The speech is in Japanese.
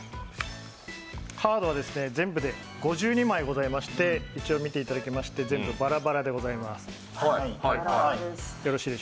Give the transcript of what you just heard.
カードは全部で５２枚ございまして、見ていただきまして、全部ばらばらでございます。